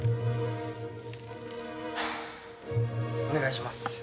お願いします。